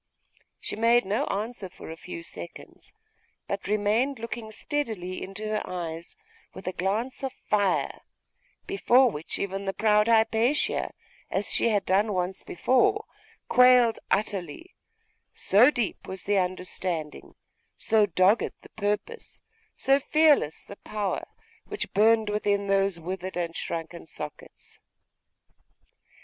She made no answer for a few seconds, but remained looking steadily into her eyes with a glance of fire, before which even the proud Hypatia, as she had done once before, quailed utterly, so deep was the understanding, so dogged the purpose, so fearless the power, which burned within those withered and shrunken sockets.